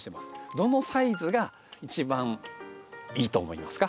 どのサイズが一番いいと思いますか？